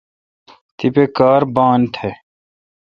تیپہ کار بان تھ